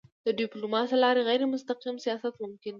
د ډيپلوماسی له لارې غیرمستقیم سیاست ممکن دی.